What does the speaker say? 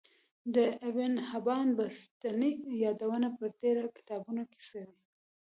د ابن حبان بستي يادونه په ډیرو کتابونو کی سوی